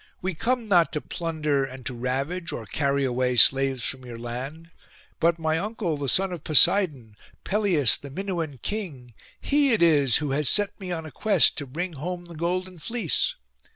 We come not to plunder and to ravage, or carry away slaves from your land; but my uncle, the son of Poseidon, Pelias the Minuan king, he it is who has set me on a quest to bring home the golden fleece.